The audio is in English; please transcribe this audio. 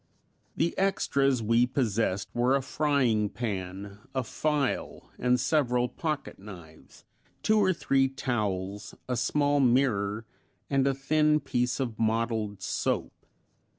The extras we possessed were a frying pan, a file, and several pocket knives, two or three towels, a small mirror, and a thin piece of mottled soap.